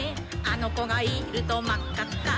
「あのこがいるとまっかっか」